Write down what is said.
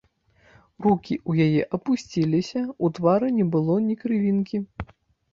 Рукі ў яе апусціліся, у твары не было ні крывінкі.